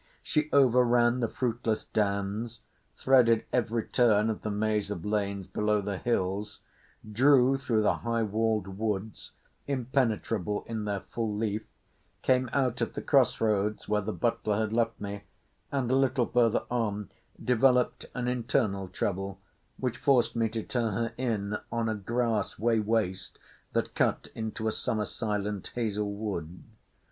She over ran the fruitless Downs, threaded every turn of the maze of lanes below the hills, drew through the high walled woods, impenetrable in their full leaf, came out at the cross roads where the butler had left me, and a little further on developed an internal trouble which forced me to turn her in on a grass way waste that cut into a summer silent hazel wood.